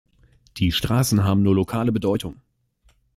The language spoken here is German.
Die Straßen haben nur lokale Bedeutung.